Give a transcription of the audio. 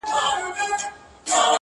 الله ته لاس پورته كړو،